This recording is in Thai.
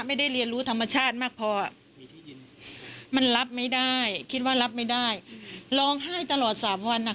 ไม่ได้เรียนรู้ธรรมชาติมากพอมันรับไม่ได้คิดว่ารับไม่ได้ร้องไห้ตลอด๓วัน